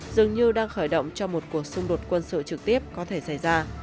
dường như đang khởi động cho một cuộc xung đột quân sự trực tiếp có thể xảy ra